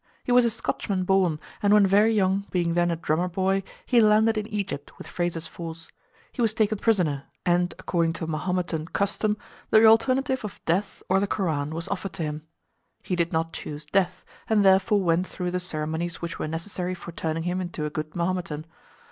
He was a Scotchman born, and when very young, being then a drummer boy, he landed in Egypt with Fraser's force. He was taken prisoner, and according to Mahometan custom, the alternative of death or the Koran was offered to him; he did not choose death, and therefore went through the ceremonies which were necessary for turning him into a good Mahometan.